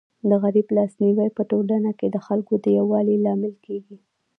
د غریب لاس نیوی په ټولنه کي د خلکو د یووالي لامل کيږي.